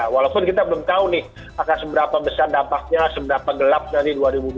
walaupun kita belum tahu nih akan seberapa besar dampaknya seberapa gelap dari dua ribu dua puluh